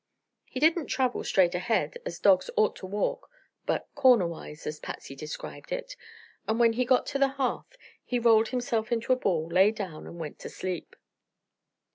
He didn't travel straight ahead, as dogs ought to walk, but "cornerwise," as Patsy described it; and when he got to the hearth he rolled himself into a ball, lay down and went to sleep.